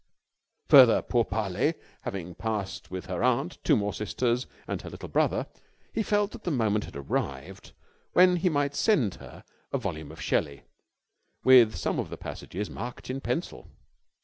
Further pour parlers having passed with her aunt, two more sisters, and her little brother, he felt that the moment had arrived when he might send her a volume of Shelley, with some of the passages marked in pencil.